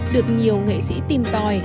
được nhiều nghệ sĩ tìm tòi